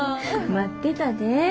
待ってたで。